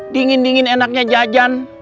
dingin dingin enaknya jajan